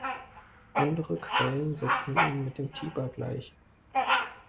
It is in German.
Andere Quellen setzen ihn mit dem Tiber gleich.